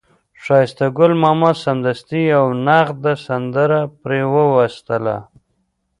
ښایسته ګل ماما سمدستي یوه نغده سندره پرې وویستله.